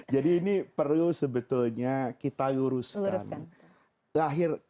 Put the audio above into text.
jadi ini perlu sebetulnya kita luruskan